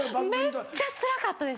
めっちゃつらかったです。